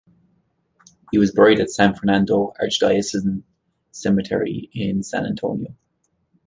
He was buried at San Fernando Archdiocesan Cemetery in San Antonio.